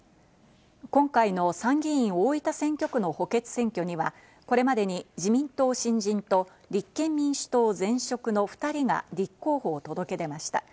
今回の参議院大分選挙区の補欠選挙にはこれまでに自民党・新人と立憲民主党・前職の２人が立候補を届け出ました。